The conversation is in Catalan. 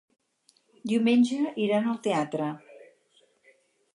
Diumenge iran al teatre.